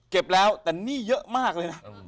เก็บแล้วแต่หนี้เยอะมากเลยนะ